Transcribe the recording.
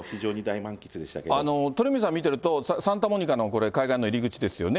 鳥海さん見てると、サンタモニカの海岸の入り口ですよね。